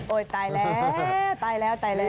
ตายแล้วตายแล้วตายแล้ว